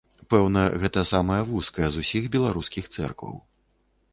Пэўна, гэта самая вузкая з усіх беларускіх цэркваў.